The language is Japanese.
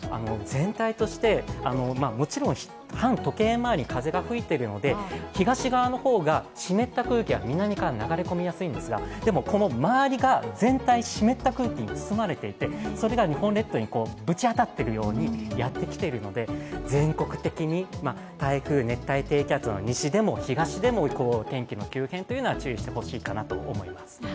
全体としてもちろん反時計回りに風が吹いているので東側の方が湿った空気が南から流れやすいんですが、でも周りが全体、湿った空気に包まれていてそれが日本列島にぶち当たるようにやってきているので、全国的に台風、熱帯低気圧西でも東でも天気の急変は注意してほしいかなと思います。